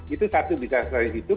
itu satu bisa selalu gitu